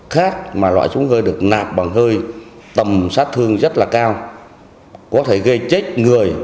khác mà loại chúng hơi được nạp bằng hơi tầm sát thương rất là cao có thể gây chết người